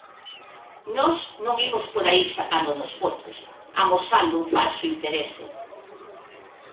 Nós non imos por aí sacándonos fotos, amosando un falso interese.